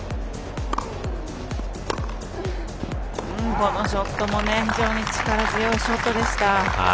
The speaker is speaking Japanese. このショットも非常に力強いショットでした。